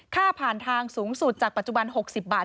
ค่าผ่านทางสูงสุดจากปัจจุบัน๖๐บาท